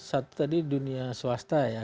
satu tadi dunia swasta ya